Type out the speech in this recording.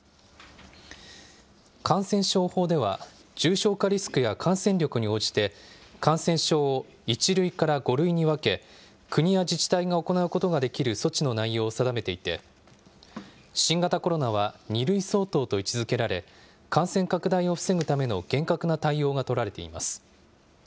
感染症法では、重症化リスクや感染力に応じて、感染症を１類から５類に分け、国や自治体が行うことができる措置の内容を定めていて、新型コロナは２類相当と位置づけられ、感染拡大を防ぐための厳格な対応が取られています。